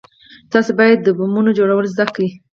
تاسې بايد د بمونو جوړول زده کئ.